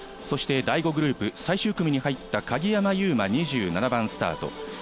そして第５グループ、最終組に入った鍵山優真、２７番スタート。